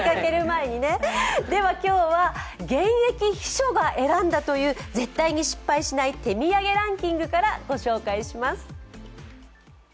では今日は現役秘書が選んだという絶対に失敗しない手土産ランキングからご紹介します。